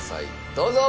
どうぞ！